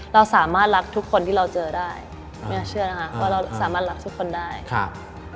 เราสามารถรักทุกคนที่เราเจอได้ไม่น่าเชื่อนะคะว่าเราสามารถรักทุกคนได้ครับ